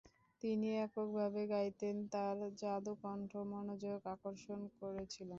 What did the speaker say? তিনি একক ভাবে গাইতেন, তার জাদু কণ্ঠ মনোযোগ আকর্ষণ করেছিল।